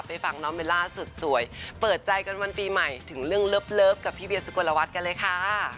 ฟังน้องเบลล่าสุดสวยเปิดใจกันวันปีใหม่ถึงเรื่องเลิฟกับพี่เวียสุกลวัฒน์กันเลยค่ะ